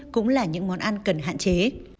cũng là những món ăn cần hạn chế